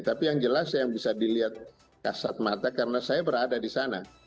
tapi yang jelas yang bisa dilihat kasat mata karena saya berada di sana